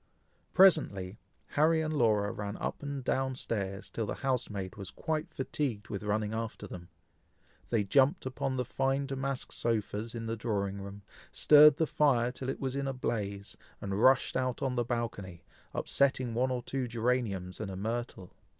Presently Harry and Laura ran up and down stairs till the housemaid was quite fatigued with running after them. They jumped upon the fine damask sofas in the drawing room, stirred the fire till it was in a blaze, and rushed out on the balcony, upsetting one or two geraniums and a myrtle.